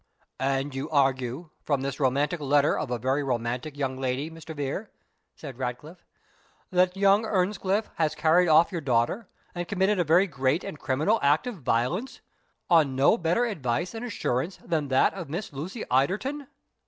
"And you argue, from this romantic letter of a very romantic young lady, Mr. Vere," said Ratcliffe, "that young Earnscliff has carried off your daughter, and committed a very great and criminal act of violence, on no better advice and assurance than that of Miss Lucy Ilderton?"